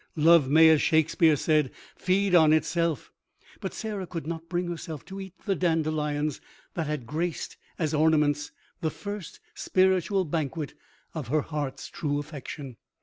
Love may, as Shakespeare said, feed on itself: but Sarah could not bring herself to eat the dandelions that had graced, as ornaments, the first spiritual banquet of her heart's true affection.